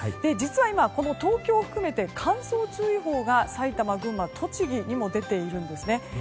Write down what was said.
実は、東京を含めて乾燥注意報が埼玉、群馬、栃木にも出ているんです。